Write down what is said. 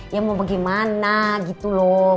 ya mau bagaimana gitu loh